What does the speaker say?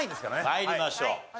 参りましょう。